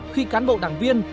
khi cán bộ đảng viên